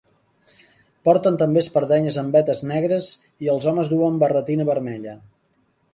Porten també espardenyes amb vetes negres, i els homes duen barretina vermella.